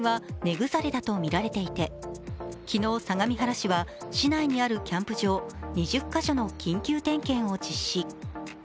倒木の原因は根腐れだとみられていて、昨日、相模原市は市内にあるキャンプ場２０か所の緊急点検を実施。